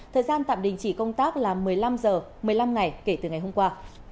thời gian tạm đình chỉ công tác là một mươi năm h một mươi năm ngày kể từ ngày hôm qua